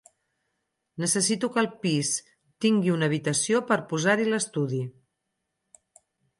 Necessito que el pis tingui una habitació per posar-hi l'estudi.